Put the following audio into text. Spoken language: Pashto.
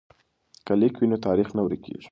که لیک وي نو تاریخ نه ورکیږي.